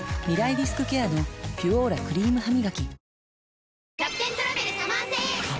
リスクケアの「ピュオーラ」クリームハミガキ